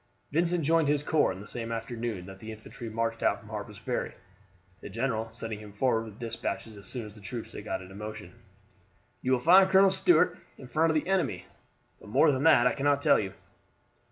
Vincent joined his corps on the same afternoon that the infantry marched out from Harper's Ferry, the general sending him forward with despatches as soon as the troops had got into motion. "You will find Colonel Stuart in front of the enemy; but more than that I cannot tell you."